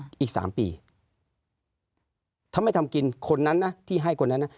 อีกสามปีถ้าไม่ทำกินคนนั้นนะที่ให้คนนั้นนะ